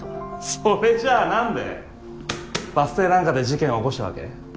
それじゃあなんでバス停なんかで事件を起こしたわけ？